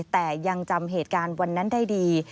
แต่ยังจำเหตุการณ์วันนั้นได้ดี